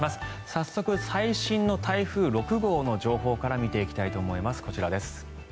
早速、最新の台風６号の情報から見ていきたいと思います。